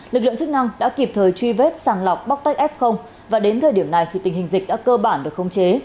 lực lượng chức năng đã kịp thời truy vết sàng lọc bóc tách f và đến thời điểm này thì tình hình dịch đã cơ bản được khống chế